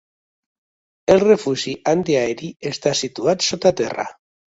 El refugi antiaeri està situat sota terra.